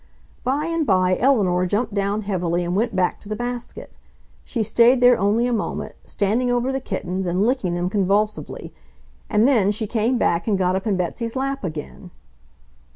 By and by Eleanor jumped down heavily and went back to the basket. She stayed there only a moment, standing over the kittens and licking them convulsively, and then she came back and got up in Betsy's lap again.